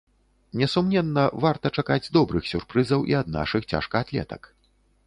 Несумненна, варта чакаць добрых сюрпрызаў і ад нашых цяжкаатлетак.